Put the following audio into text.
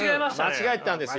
間違えてたんですよ。